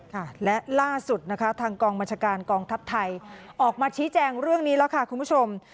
ค่ะและล่าสุดนะคะทางกองบัญชาการกองทัพไทยออกมาชี้แจงเรื่องนี้แล้วค่ะคุณผู้ชม